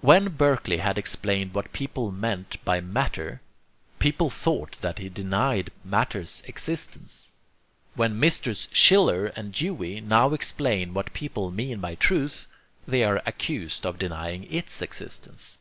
When Berkeley had explained what people meant by matter, people thought that he denied matter's existence. When Messrs. Schiller and Dewey now explain what people mean by truth, they are accused of denying ITS existence.